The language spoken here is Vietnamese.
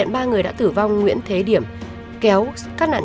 bắt đầu hai bà kia